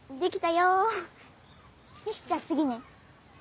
よしじゃあ次ね。